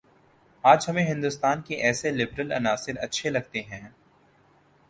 آج ہمیں ہندوستان کے ایسے لبرل عناصر اچھے لگتے ہیں